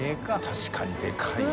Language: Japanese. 確かにでかい。